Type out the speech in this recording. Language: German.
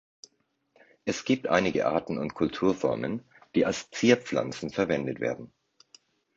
Es gibt einige Arten und Kulturformen, die als Zierpflanzen verwendet werden.